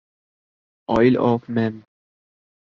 oil of main